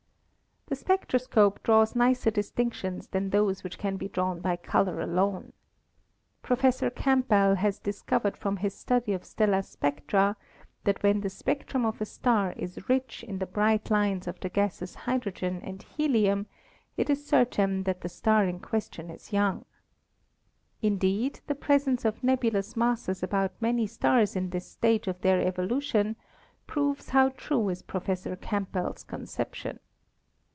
The spectroscope draws nicer distinctions than those which can be drawn by color alone. Professor Campbell has discovered from his study of stellar spectra that when the spectrum of a star is rich in the bright lines of the gases hydrogen and helium it is certain that the star in question is young. Indeed, the presence of nebulous masses about many stars in this stage of their evolution proves how true is Professor Campbell's conception.